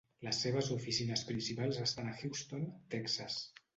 Les seves oficines principals estan a Houston, Texas.